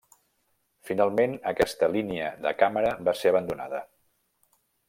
Finalment, aquesta línia de càmera va ser abandonada.